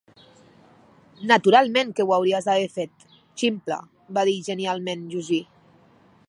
"Naturalment que ho hauries d'haver fet, ximple", va dir genialment Gussie.